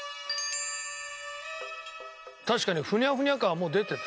確かにふにゃふにゃ感はもう出てる。